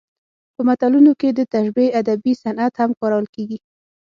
په متلونو کې د تشبیه ادبي صنعت هم کارول کیږي